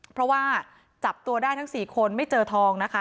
เพราะว่าจับตัวได้ทั้ง๔คนไม่เจอทองนะคะ